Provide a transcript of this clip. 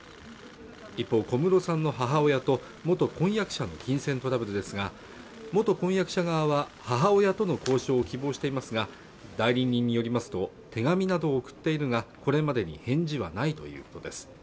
一方小室さんの母親と元婚約者の金銭トラブルですが元婚約者側は母親との交渉を希望していますが代理人によりますと手紙などを送っているがこれまでに返事はないということです